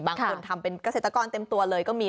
บางคนทำเป็นเกษตรกรเต็มตัวเลยก็มี